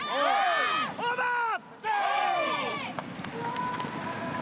オーバー。